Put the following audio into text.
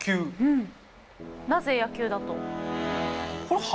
なぜ野球だと？